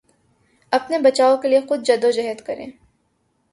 اپنے بچاؤ کے لیے خود جدوجہد کریں